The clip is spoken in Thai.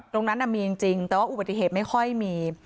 ตรงนั้นมีจริงแต่ว่าอุบัติเหตุไม่ค่อยมี